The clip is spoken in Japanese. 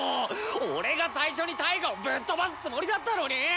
俺が最初にタイガをぶっ飛ばすつもりだったのに！